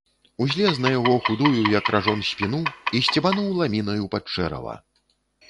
Узлез на яго худую, як ражон, спіну і сцебануў ламінаю пад чэрава.